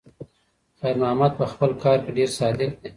خیر محمد په خپل کار کې ډېر صادق دی.